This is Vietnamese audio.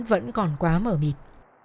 vẫn còn quá mở mịt